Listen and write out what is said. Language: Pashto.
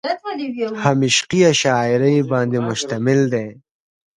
هم عشقيه شاعرۍ باندې مشتمل دي ۔